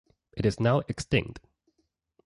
It is now extinct.